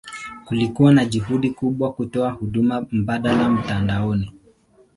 Kulikuwa na juhudi kubwa kutoa huduma mbadala mtandaoni.